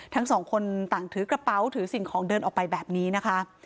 ทั้งสองคนต่างถือกระเป๋าถือสิ่งของเดินออกไปแบบนี้นะคะ